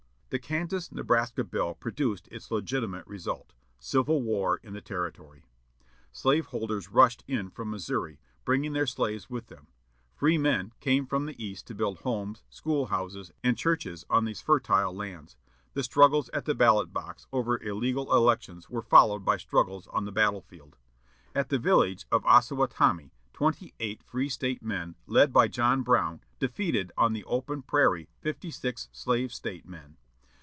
The Kansas Nebraska Bill produced its legitimate result, civil war in the Territory. Slave holders rushed in from Missouri, bringing their slaves with them; free men came from the East to build homes, school houses, and churches on these fertile lands. The struggles at the ballot box over illegal elections were followed by struggles on the battle field. At the village of Ossawatomie twenty eight Free State men led by John Brown defeated on the open prairie fifty six Slave State men.